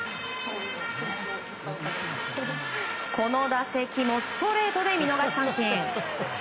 この打席もストレートで見逃し三振。